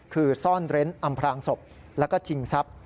คือซ่อนเร้นอำพลางศพแล้วก็ชิงทรัพย์